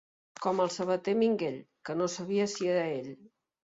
Com el sabater Minguell, que no sabia si era ell.